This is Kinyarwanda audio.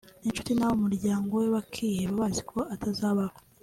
inshuti n’abo mu muryango we bakiheba baziko atazabaho